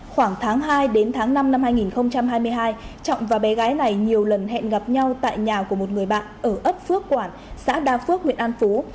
khoảng tháng hai đến tháng năm năm hai nghìn hai mươi hai trọng và bé gái này nhiều lần hẹn gặp nhau tại nhà của một người bạn ở ấp phước quản xã đa phước huyện an phú